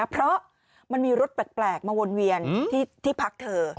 เพราะมันมีรถแปลกมาวนเวียนที่พักเธอ